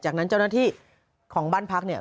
จากนั้นเจ้าหน้าที่ของบ้านพักเนี่ย